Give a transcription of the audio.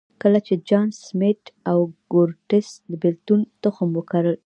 کله چې جان سمېت او کورټس بېلتون تخم وکرل.